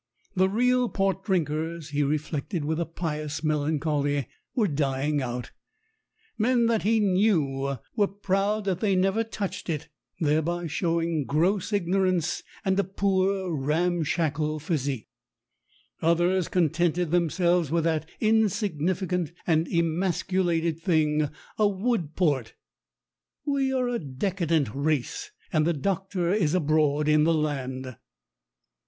The real port drinkers, he reflected with a pious melancholy, were dying out. Men that he knew were proud that they never touched it, thereby showing gross ignorance and a poor, ramshackle physique. THE 'EIGHTY SEVEN 69 Others contented themselves with that insignificant and emasculated thing, a wood port; we are a de cadent race, and the doctor is abroad in the land.